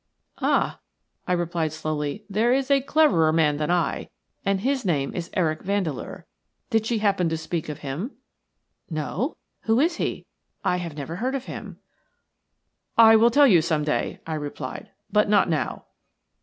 "Ah!" I replied, slowly, "there is a cleverer man than I, and his name is Eric Vandeleur. Did she happen to speak of him?" "No. Who is he? I have never heard of him." "I will tell you some day," I replied, "but not now."